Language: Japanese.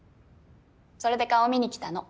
それで顔見にきたの。